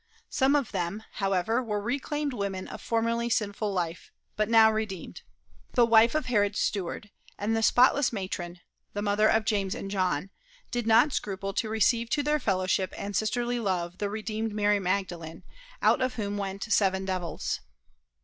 Some of them, however, were reclaimed women of formerly sinful life, but now redeemed. The wife of Herod's steward, and the spotless matron, the mother of James and John, did not scruple to receive to their fellowship and sisterly love the redeemed Mary Magdalene, "out of whom went seven devils."